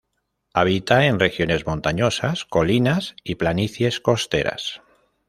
Habita en regiones montañosas, colinas y planicies costeras.